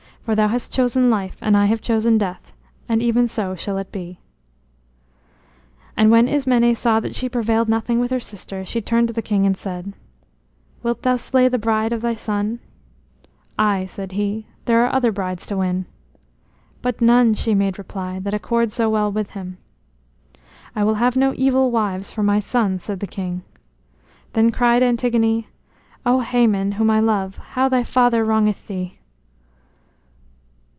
For thou hast chosen life and I have chosen death; and even so shall it be." And when Ismené saw that she prevailed nothing with her sister, she turned to the king and said: "Wilt thou slay the bride of thy son?" "Ay," said he, "there are other brides to win!" "But none," she made reply, "that accord so well with him." "I will have no evil wives for my sons," said the king. Then cried Antigone: "O Hæmon, whom I love, how thy father wrongeth thee!"